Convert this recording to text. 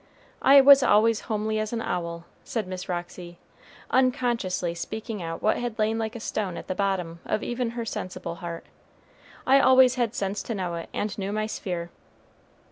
"I was always homely as an owl," said Miss Roxy, unconsciously speaking out what had lain like a stone at the bottom of even her sensible heart. "I always had sense to know it, and knew my sphere.